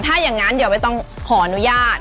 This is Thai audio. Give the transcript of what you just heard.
ถ้าอย่างนั้นเดี๋ยวไม่ต้องขออนุญาต